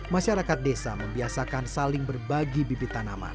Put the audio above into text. masyarakat desa membiasakan saling berbagi bibit tanaman